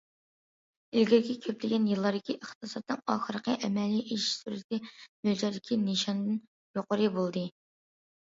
ئىلگىرىكى كۆپلىگەن يىللاردىكى ئىقتىسادنىڭ ئاخىرقى ئەمەلىي ئېشىش سۈرىتى مۆلچەردىكى نىشاندىن يۇقىرى بولدى.